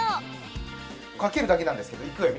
かけるだけなんですけどいくわよ